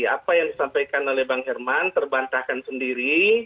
apa yang disampaikan oleh bang herman terbantahkan sendiri